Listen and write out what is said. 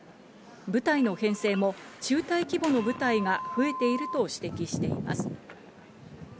部隊の編成も中隊規模の部隊が増えていると指摘しています。